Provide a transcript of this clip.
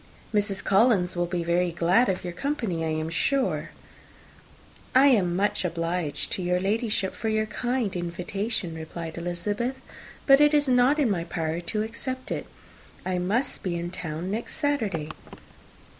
Mrs. Collins will be very glad of your company, I am sure." "I am much obliged to your Ladyship for your kind invitation," replied Elizabeth; "but it is not in my power to accept it. I must be in town next Saturday."